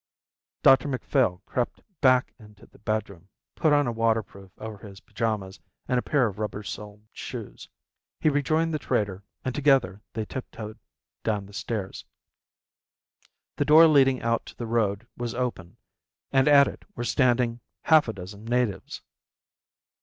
Dr Macphail crept back into the bedroom, put on a waterproof over his pyjamas, and a pair of rubber soled shoes. He rejoined the trader, and together they tiptoed down the stairs. The door leading out to the road was open and at it were standing half a dozen natives.